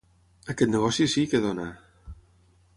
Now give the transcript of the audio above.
Aquest negoci sí, que dona!